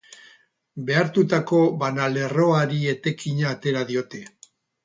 Behartutako banalerroari etekina atera diote.